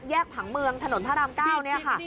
ผังเมืองถนนพระราม๙เนี่ยค่ะ